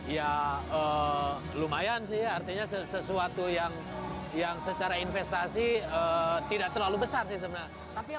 ya lumayan sih artinya sesuatu yang yang secara investasi tidak terlalu besar sih sebenarnya